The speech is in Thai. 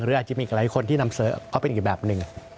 หรืออาจจะมีอีกหลายคนที่นำเสิร์ฟเขาเป็นอีกแบบหนึ่ง